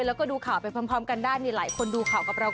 อ้าวบอกให้ดู